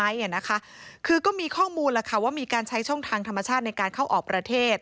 จริงไหมเนี่ยนะคะคือก็มีข้อมูลแหละค่ะว่ามีการใช้ช่องทางธรรมชาติในการเข้าออกประเทศ